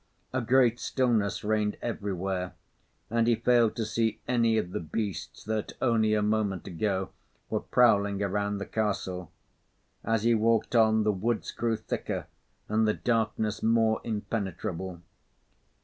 A great stillness reigned everywhere, and he failed to see any of the beasts that only a moment ago were prowling around the castle. As he walked on, the woods grew thicker, and the darkness more impenetrable.